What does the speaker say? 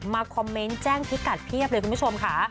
คอมเมนต์แจ้งพิกัดเพียบเลยคุณผู้ชมค่ะ